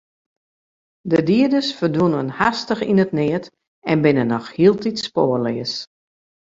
De dieders ferdwûnen hastich yn it neat en binne noch hieltyd spoarleas.